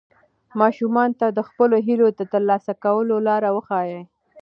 ماشومانو ته د خپلو هیلو د ترلاسه کولو لار وښایئ.